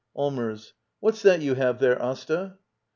] Allmers. What's that you have there, Asta?